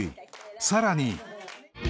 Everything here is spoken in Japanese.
［さらに］